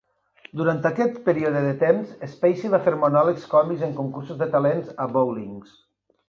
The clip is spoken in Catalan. Durant aquest període de temps, Spacey va fer monòlegs còmics en concursos de talents a "bowlings".